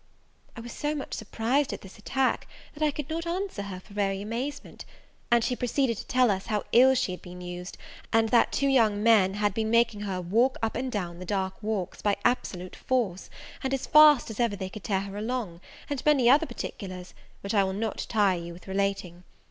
I was so much surprised at this attack, that I could not answer her for very amazement; and she proceeded to tell us how ill she had been used, and that two young men had been making her walk up and down the dark walks by absolute force, and as fast as ever they could tear her along; and many other particulars, which I will not tire you with relating.